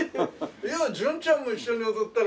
純ちゃんも一緒に踊ったら？